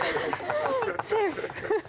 セーフ。